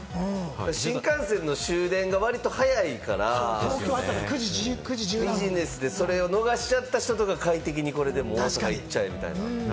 新幹線の終電が割と早いから、ビジネスでそれを逃しちゃった人とか、これで快適に行っちゃえば。